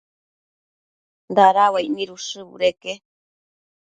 dada uaic nid ushë budeque